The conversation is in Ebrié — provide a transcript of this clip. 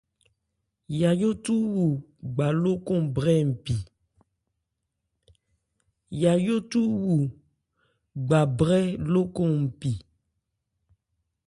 Yayó cu wu gba lókɔn brɛ mpi.